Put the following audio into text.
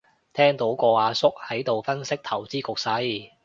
聽到個阿叔喺度分析投資局勢